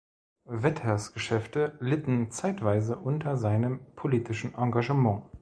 Wetters Geschäfte litten zeitweise unter seinem politischen Engagement.